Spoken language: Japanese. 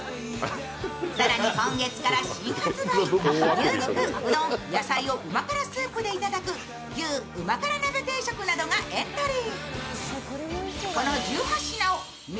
更に今月から新発売、牛肉、うどん、野菜を旨辛スープでいただく牛・旨辛鍋定食などがエントリー。